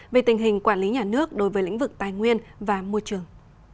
về tình hình quản lý nhà nước đối với lĩnh vực tài nguyên và môi trường